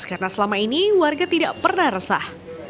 karena selama ini warga tidak pernah resah